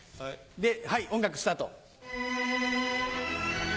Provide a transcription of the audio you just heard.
ではい音楽スタート。